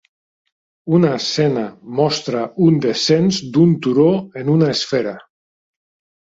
Una escena mostra un descens d'un turó en una esfera.